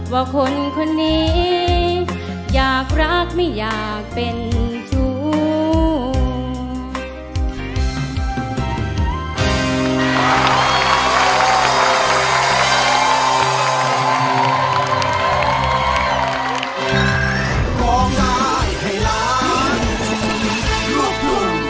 ว่าคนคนนี้อยากรักไม่อยากเป็นชู้